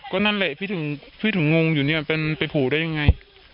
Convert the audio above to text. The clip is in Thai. ก็นั่นแหละพี่ถึงพี่ถึงงงอยู่เนี่ยมันไปผูได้ยังไง